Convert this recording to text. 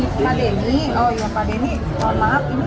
nah ini melaksanakan bagian ke latihan